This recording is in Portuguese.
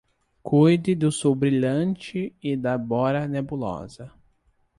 Cuide do sul brilhante e da bora nebulosa.